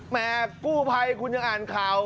แม่กู้ภัยคุณยังอ่านข่าว